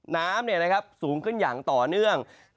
น้ำสูงขึ้นอย่างต่อเนื่อง